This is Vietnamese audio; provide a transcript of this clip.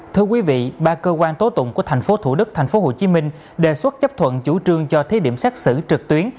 thưa quý vị ba cơ quan tố tụng của tp thủ đức tp hcm đề xuất chấp thuận chủ trương cho thí điểm xét xử trực tuyến